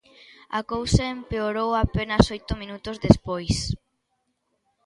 A cousa empeorou apenas oito minutos despois.